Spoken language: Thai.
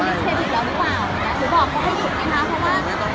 มีการที่เช็ดอีกแล้วหรือเปล่าหรือบอกเขาให้คุณไงครับ